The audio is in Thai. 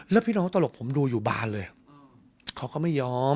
แล้วพี่น้องตลกผมดูอยู่บานเลยเขาก็ไม่ยอม